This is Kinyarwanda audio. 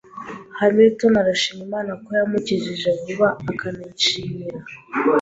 Hamilton arashima Imana ko yamukijije vuba, akanayishimira